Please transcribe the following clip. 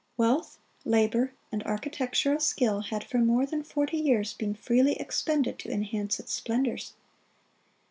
Wealth, labor, and architectural skill had for more than forty years been freely expended to enhance its splendors.